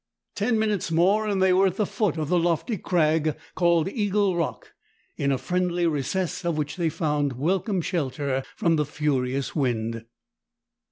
Ten minutes more and they were at the foot of the lofty crag called Eagle Rock, in a friendly recess of which they found welcome shelter from the furious wind.